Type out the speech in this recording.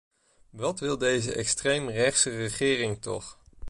Wat wil deze extreem rechtse regering toch?